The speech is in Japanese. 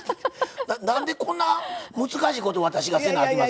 なんでこんな難しいこと私がせなあきませんの。